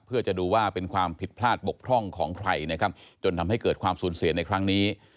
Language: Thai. เพื่อจะดูว่าเป็นความผิดพลาดบกพร่องของใครนะครับจนทำให้เกิดความสูญเสียในครั้งนี้